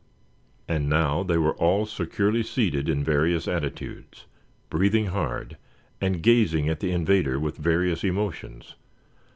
And now they were all securely seated in various attitudes, breathing hard, and gazing at the invader with various emotions.